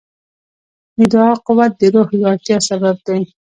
د دعا قوت د روح لوړتیا سبب دی.